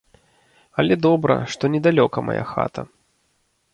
Але добра, што недалёка мая хата.